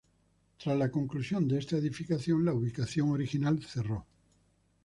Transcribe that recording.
Tras la conclusión de esta edificación, la ubicación original cerró.